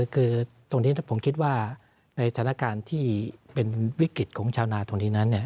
คือตรงนี้ผมคิดว่าในสถานการณ์ที่เป็นวิกฤตของชาวนาตรงนี้นั้น